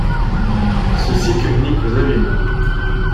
Ceci communique aux abîmes.